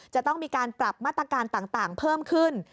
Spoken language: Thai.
จะต้องมีการปรับมาตรการต่างเพิ่มขึ้น